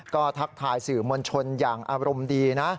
ก็ทักทายสื่อมวลชนอย่างอารมณ์ดีนะ